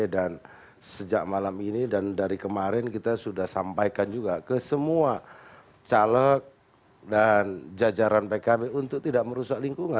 sejak malam ini dan dari kemarin kita sudah sampaikan juga ke semua caleg dan jajaran pkb untuk tidak merusak lingkungan